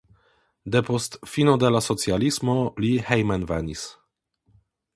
Depost fino de la socialismo li hejmenvenis.